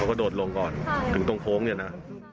เขาก็โดดลงก่อนก่อนถึงตรงโพ้นเนี่ยนะ